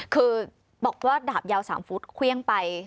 คือบอกว่าดาบยาว๓ฟุตเครื่องไป